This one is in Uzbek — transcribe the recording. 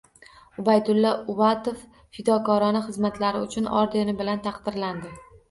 Ubaydulla Uvatov Fidokorona xizmatlari uchun ordeni bilan taqdirlandi